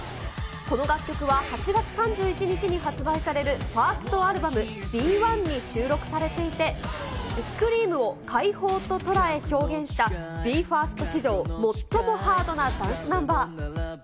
この楽曲は、８月３１日に発売されるファーストアルバム、ＢＥ：１に収録されていて、スクリームを解放と捉え、表現した、ＢＥ：ＦＩＲＳＴ史上最もハードなダンスナンバー。